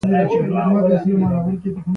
هغه ډېر زیات بندیان له ځان سره راوستلي وه.